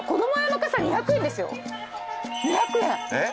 傘２００円